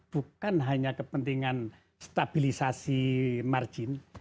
bukan hanya kepentingan stabilisasi margin